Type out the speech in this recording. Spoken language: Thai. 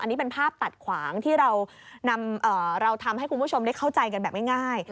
อันนี้เป็นภาพตัดขวางที่เราทำให้คุณผู้ชมได้เข้าใจกันแบบง่าย